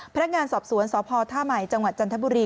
พนักงานสอบสวนสพท่าใหม่จังหวัดจันทบุรี